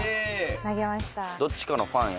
投げました。